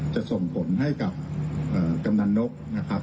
จะส่งผลให้กับกำนันนกนะครับ